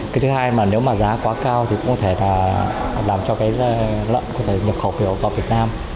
cái thứ hai mà nếu mà giá quá cao thì cũng có thể là làm cho cái lợn có thể nhập khẩu phiếu vào việt nam